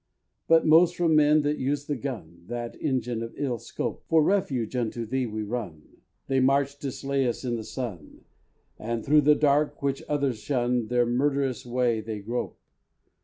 But most from men that use the gun, That engine of ill scope, For refuge unto thee we run; They march to slay us in the sun, And through the dark, which others shun, Their murderous way they grope.